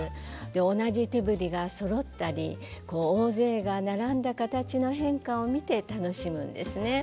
同じ手振りがそろったり大勢が並んだ形の変化を見て楽しむんですね。